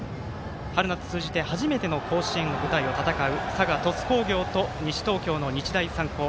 春夏通じて初めての甲子園の舞台で戦う佐賀、鳥栖工業と西東京の日大三高。